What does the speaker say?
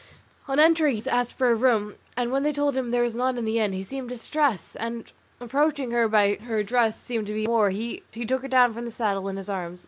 On entering he asked for a room, and when they told him there was none in the inn he seemed distressed, and approaching her who by her dress seemed to be a Moor he her down from saddle in his arms.